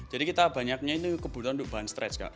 jadi kita banyaknya kebutuhan untuk bahan stretch